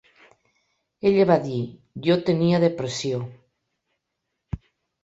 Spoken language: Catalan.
Ella va dir "jo tenia depressió".